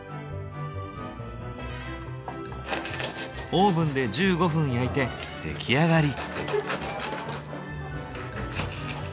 オーブンで１５分焼いて出来上がり。